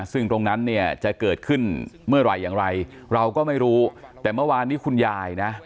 ซึ่งตรงนั้นเนี่ยจะเกิดขึ้นเมื่อไหร่อย่างไรเราก็ไม่รู้แต่เมื่อวานนี้คุณยายนะ